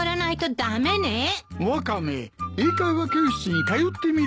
ワカメ英会話教室に通ってみるか？